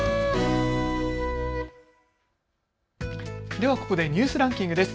では、ここでニュースランキングです。